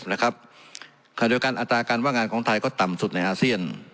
นะครับคันโดยการอัตราการว่างานของไทยก็ต่ำสุดในอาเซียน